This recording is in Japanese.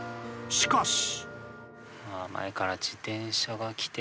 しかし。